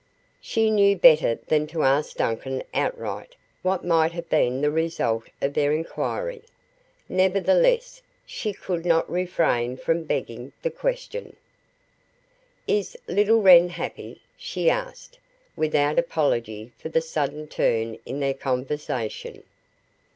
She knew better than to ask Duncan outright what might have been the result of their inquiry. Nevertheless, she could not refrain from "begging the question." "Is little Wren happy?" she asked, without apology for the sudden turn in their conversation.